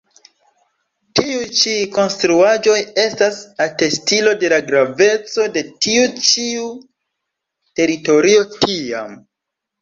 Tiuj ĉi konstruaĵoj estas atestilo de la graveco de tiu ĉiu teritorio tiam.